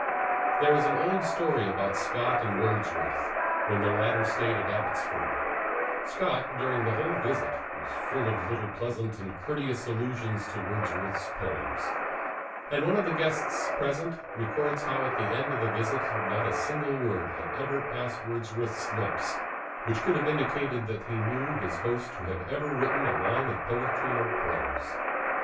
There is an old story about Scott and Wordsworth, when the latter stayed at Abbotsford; Scott, during the whole visit, was full of little pleasant and courteous allusions to Wordsworth's poems; and one of the guests present records how at the end of the visit not a single word had ever passed Wordsworth's lips which could have indicated that he knew his host to have ever written a line of poetry or prose.